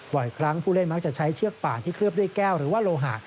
บ่อยครั้งผู้เล่นมักจะใช้เชือกป่านที่เคลือบด้วยแก้วหรือว่าโลหะ